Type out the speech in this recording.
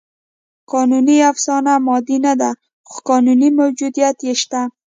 قانوني افسانه مادي نهده؛ خو قانوني موجودیت یې شته.